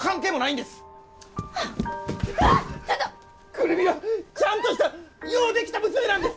久留美はちゃんとしたようできた娘なんです！